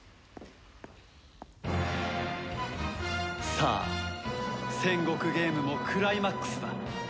さあ戦国ゲームもクライマックスだ。